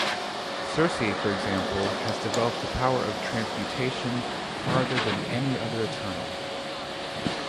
Sersi, for example, has developed the power of transmutation farther than any other Eternal.